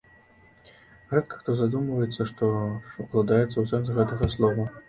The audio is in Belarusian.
Рэдка хто задумваецца, што ж укладаецца ў сэнс гэтага слова.